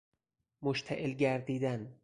مشتعل گردیدن